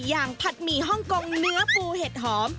ผัดหมี่ฮ่องกงเนื้อปูเห็ดหอม